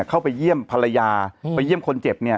เข้าไปเยี่ยมภรรยาไปเยี่ยมคนเจ็บเนี่ย